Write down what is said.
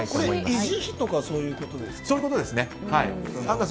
維持費とかそういうことですか。